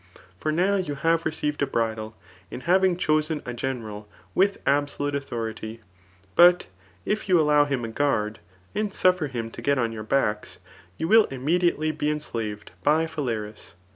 Eor nom you CHAP. XXU . &H£TORIC« lv65 hflive received a bridle, in having chosen a general wich a)>solute authority ; but if you allow him a guard, and suffer him to get on your backs, you will immediately be enslaved by Phalaris."